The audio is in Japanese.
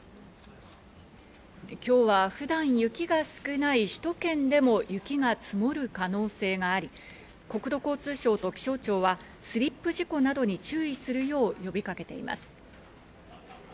今日は普段雪が少ない首都圏でも雪が積もる可能性があり、国土交通省と気象庁はスリップ事故などに注意するよう呼びかけています。